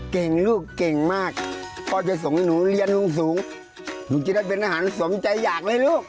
เก่งลูกเก่งมากพ่อจะส่งให้หนูเรียนสูงหนูจะได้เป็นอาหารสมใจอยากเลยลูก